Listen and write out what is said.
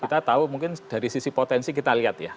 kita tahu mungkin dari sisi potensi kita lihat ya